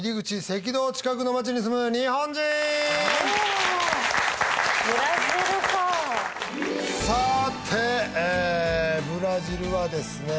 赤道近くの町に住む日本人おおーブラジルかさてブラジルはですね